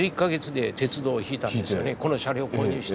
この車両を購入して。